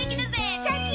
シャキン！